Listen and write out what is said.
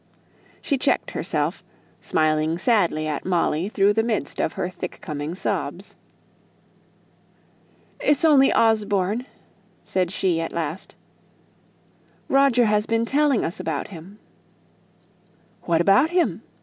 She checked herself, smiling sadly at Molly through the midst of her thick coming sobs. "It's only Osborne," said she, at last. "Roger has been telling us about him." "What about him?"